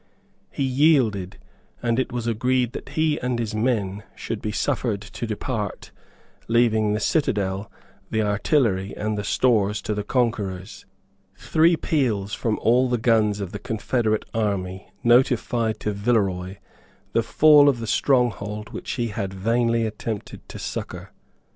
He yielded, and it was agreed that he and his men should be suffered to depart, leaving the citadel, the artillery, and the stores to the conquerors. Three peals from all the guns of the confederate army notified to Villeroy the fall of the stronghold which he had vainly attempted to succour.